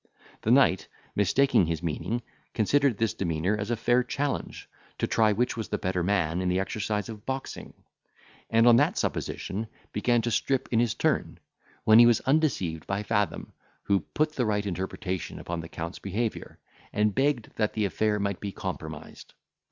The knight, mistaking his meaning, considered this demeanour as a fair challenge, to try which was the better man in the exercise of boxing; and, on that supposition, began to strip in his turn, when he was undeceived by Fathom, who put the right interpretation upon the count's behaviour, and begged that the affair might be compromised.